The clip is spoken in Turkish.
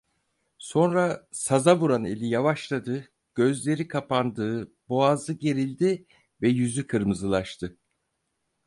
Sonra saza vuran eli yavaşladı, gözleri kapandı, boğazı gerildi ve yüzü kırmızılaştı.